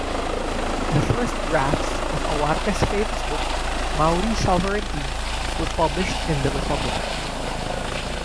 The first drafts of Awatere's famous book "Maori Sovereignty" were published in "The Republican".